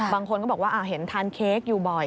บางคนก็บอกว่าเห็นทานเค้กอยู่บ่อย